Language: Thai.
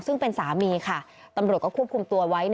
ซึ่งเป็นสามีค่ะตำรวจก็ควบคุมตัวไว้